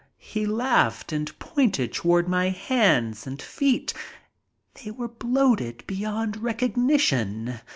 He laughed and pointed toward my hands and feet. They were bloated beyond recognition.